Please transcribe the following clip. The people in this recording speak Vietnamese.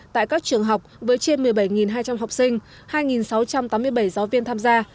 tại các trường học với trên một mươi bảy hai trăm linh học sinh hai sáu trăm tám mươi bảy giáo viên tham gia